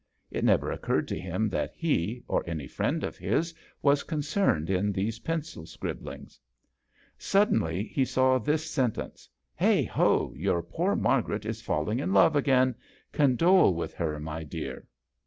It never occurred to him that he, or any friend of his, was concerned in these pencil scrib blings. Suddenly he saw this sentence: ;< Heigho ! your poor Margaret !s falling in love again ; condole with her, my dear."